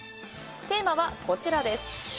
テーマはこちらです。